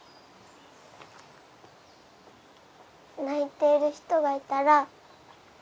「泣いている人がいたら」